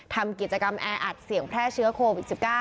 ทำกิจกรรมแออัดเสี่ยงแพร่เชื้อโควิด๑๙